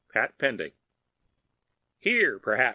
—Pat. Pending. "Here, perhaps?"